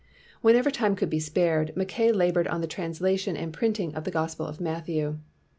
Whenever time could be spared, Mackay labored on the translation and printing of the Gospel of Matthew.